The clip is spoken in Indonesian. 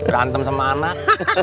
rantem sama anak